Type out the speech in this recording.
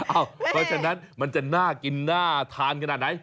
เพราะฉะนั้นมันจะน่ากินน่าทานขนาดไหน